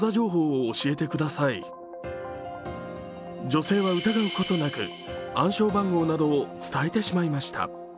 女性は疑うことなく、暗証番号などを伝えてしまいました。